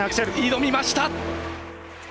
挑みました。